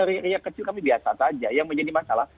riak kecil kami biasa saja yang menjadi masalah